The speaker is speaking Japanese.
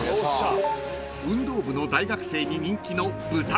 ［運動部の大学生に人気の］